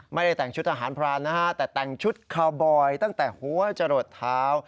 ไม่ได้แต่งชุดทหารพรานนะฮะแต่แต่งชุดคาวบอยตั้งแต่หัวจะหลดเท้า